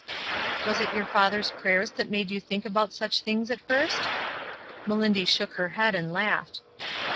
"Was it your father's prayers that made you think about such things at first?" Mehndy shook her head and laughed.